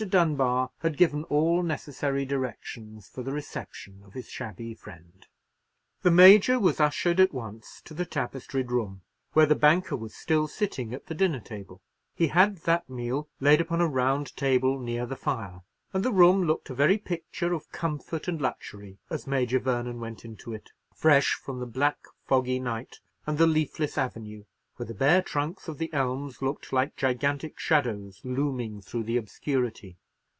Dunbar had given all necessary directions for the reception of his shabby friend. The Major was ushered at once to the tapestried room, where the banker was still sitting at the dinner table. He had that meal laid upon a round table near the fire, and the room looked a very picture of comfort and luxury as Major Vernon went into it, fresh from the black foggy night, and the leafless avenue, where the bare trunks of the elms looked like gigantic shadows looming through the obscurity.